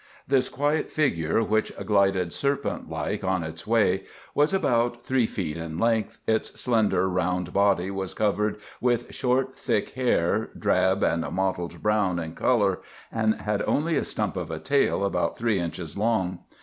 This quiet figure, which glided serpent like on its way, was about three feet in length; its slender, round body was covered with short, thick hair, drab and mottled brown in color, and had only a stump of a tail about three inches long.